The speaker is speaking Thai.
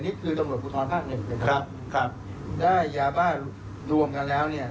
นี่คือตำรวจภูทรภาคหนึ่งนะครับครับได้ยาบ้านรวมกันแล้วเนี่ย